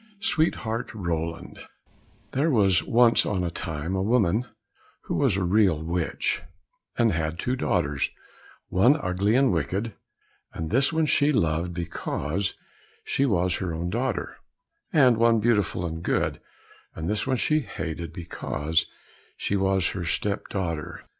56 Sweetheart Roland There was once on a time a woman who was a real witch and had two daughters, one ugly and wicked, and this one she loved because she was her own daughter, and one beautiful and good, and this one she hated, because she was her step daughter.